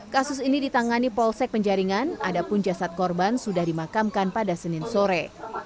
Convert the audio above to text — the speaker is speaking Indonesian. kasus ini ditangani polsek penjaringan adapun jasad korban sudah dimakamkan pada senin sore